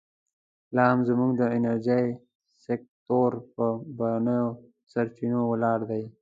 لا هم زموږ د انرژۍ سکتور پر بهرنیو سرچینو ولاړ دی.